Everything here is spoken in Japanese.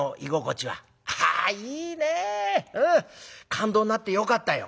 勘当になってよかったよ」。